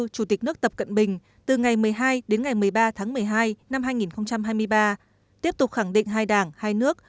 chủ tịch nước tập cận bình từ ngày một mươi hai đến ngày một mươi ba tháng một mươi hai năm hai nghìn hai mươi ba tiếp tục khẳng định hai đảng hai nước